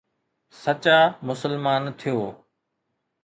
سچا مسلمان ٿيو.